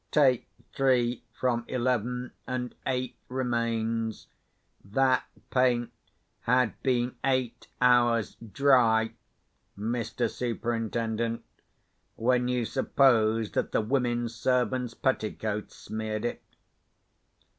Take three from eleven, and eight remains. That paint had been eight hours dry, Mr. Superintendent, when you supposed that the women servants' petticoats smeared it."